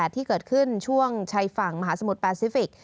ที่เกิดขึ้นช่วงชายฝั่งมหาสมุทรแปซิฟิกส